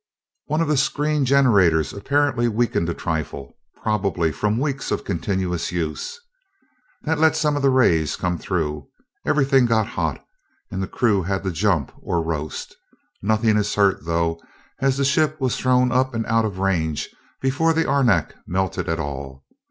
"One of the screen generators apparently weakened a trifle, probably from weeks of continuous use. That let some of the rays come through; everything got hot, and the crew had to jump or roast. Nothing is hurt, though, as the ship was thrown up and out of range before the arenak melted at all.